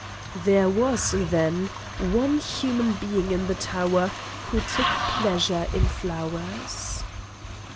There was, then, one human being in the tower who took pleasure in flowers.